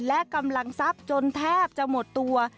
และกำลังทรัพย์จนแทบจะหมดตัว